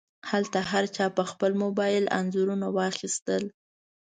هلته هر چا په خپل موبایل انځورونه واخیستل.